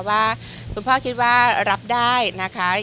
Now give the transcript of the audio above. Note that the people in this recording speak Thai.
ว่าคุณพ่อคิดว่ารับได้นะคะ